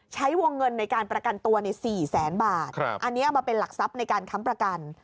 ใช้วงเงินในการประกันตัวใน๔แสนบาทอันนี้มาเป็นหลักทรัพย์ในการค้ำประกัน